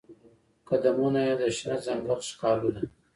قدمونه یې د شنه ځنګل ښکالو ده